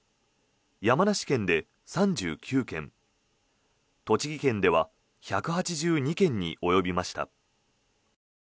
山梨県で３９件栃木県では１８２件に及びました。